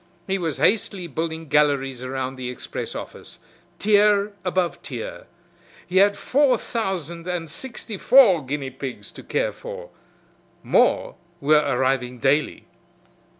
He was hastily building galleries around the express office, tier above tier. He had four thousand and sixty four guinea pigs to care for! More were arriving daily.